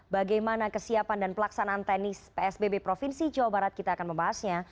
bagaimana kesiapan dan pelaksanaan teknis psbb provinsi jawa barat kita akan membahasnya